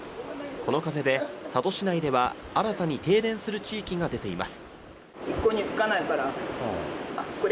この風で佐渡市内では新たに停電する地域が出ています。